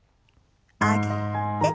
上げて。